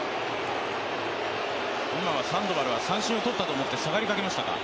今はサンドバルは三振をとったと思って下がりかけましたか。